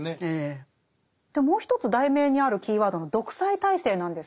もう一つ題名にあるキーワードの「独裁体制」なんです